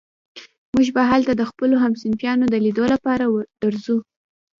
موږ به هلته د خپلو همصنفيانو د ليدو لپاره درځو.